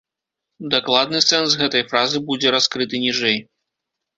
Дакладны сэнс гэтай фразы будзе раскрыты ніжэй.